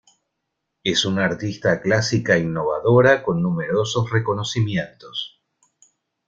Es una artista clásica innovadora con numerosos reconocimientos.